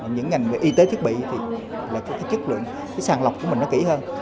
những ngành về y tế thiết bị thì là chất lượng sàng lọc của mình nó kỹ hơn